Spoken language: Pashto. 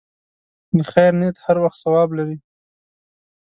د خیر نیت هر وخت ثواب لري.